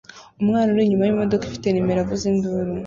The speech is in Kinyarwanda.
Umwana uri inyuma yimodoka ifite numero avuza induru